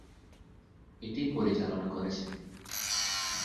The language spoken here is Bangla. এটি পরিচালনা করেছেন।